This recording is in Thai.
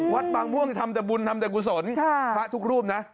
วัดบางพ่วงทำแต่บุญทำแต่กุศลพระทุกรูปนะ